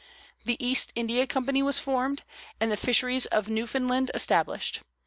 The East India Company was formed, and the fisheries of Newfoundland established.